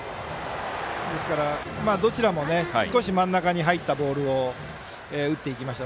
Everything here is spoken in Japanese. どちらも少し真ん中に入ったボールを打っていきました。